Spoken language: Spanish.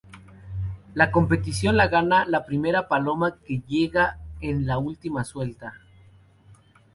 La competición la gana la primera paloma que llega en la última suelta.